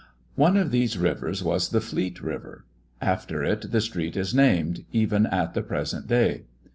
One of these rivers was the Fleet river. After it the street is named even at the present day.